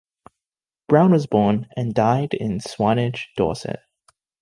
Brown was born and died in Swanage, Dorset.